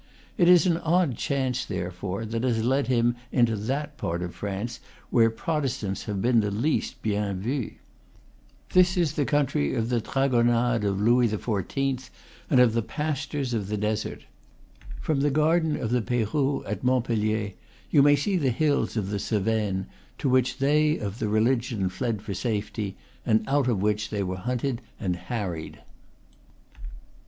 It is an odd chance, therefore, that has led him into that part of France where Protestants have been least bien vus. This is the country of the dragonnades of Louis XIV. and of the pastors of the desert. From the garden of the Peyrou, at Montpellier, you may see the hills of the Cevennes, to which they of the religion fled for safety, and out of which they were hunted and harried.